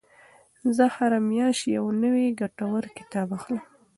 زه هره میاشت یو نوی ګټور کتاب اخلم.